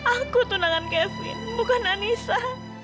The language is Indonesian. aku tunangan kevin bukan anissa